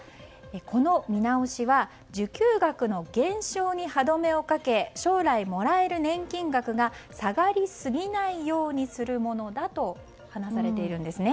この見直しは受給額の減少に歯止めをかけ将来もらえる年金額が下がりすぎないようにするものだと話されているんですね。